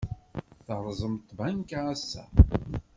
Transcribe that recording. Terẓem tbanka ass-a?